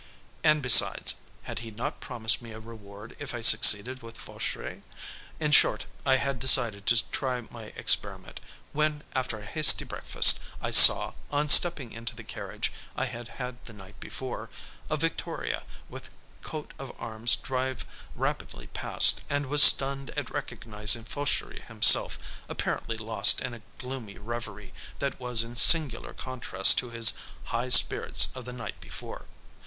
And besides, had he not promised me a reward if I succeeded with Fauchery? In short, I had decided to try my experiment, when, after a hasty breakfast, I saw, on stepping into the carriage I had had the night before, a victoria with coat of arms drive rapidly past and was stunned at recognizing Fauchery himself, apparently lost in a gloomy revery that was in singular contrast to his high spirits of the night before.